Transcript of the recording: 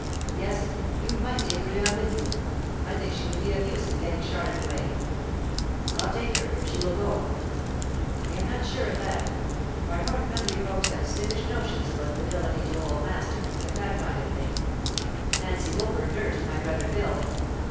Yes, you might take her down with you; I think she would be of use in getting Charlotte away." "I'll take her, if she will go." "I am not sure of that; our north country folks have stiffish notions about fidelity to old masters, and that kind of thing. Nancy Woolper nursed my brother Phil."